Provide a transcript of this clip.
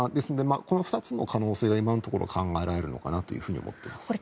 この２つの可能性が今のところ考えられるのかなと思っています。